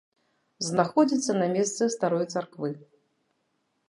Знаходзіцца на месцы старой царквы.